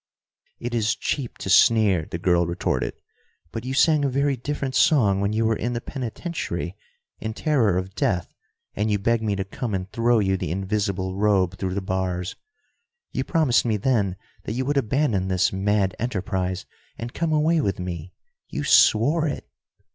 "It is cheap to sneer," the girl retorted. "But you sang a very different song when you were in the penitentiary, in terror of death, and you begged me to come and throw you the invisible robe through the bars. You promised me then that you would abandon this mad enterprise and come away with me. You swore it!"